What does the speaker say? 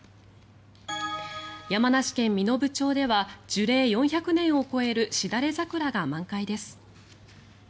山梨県身延町では樹齢４００年を超えるシダレザクラが満開です。